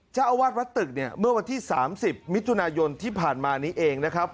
เจ้าอาวาสวัดตึกเนี่ยเมื่อวันที่๓๐มิถุนายนที่ผ่านมานี้เองนะครับ